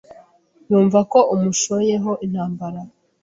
yumva ko umushoyeho intambara